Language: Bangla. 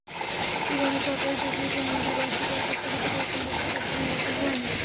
ইরানে সরকারি চাকরিতে নিয়োগের বার্ষিক পরীক্ষা স্থগিত করেছেন দেশটির প্রেসিডেন্ট হাসান রুহানি।